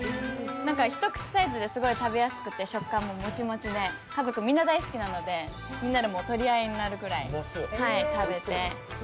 一口サイズで食べやすくてもちもちで家族みんな大好きで、みんなで取り合いになるくらい食べて。